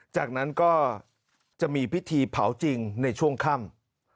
จากนั้นก็จะมีพิธีเผาจริงในช่วงค่ำ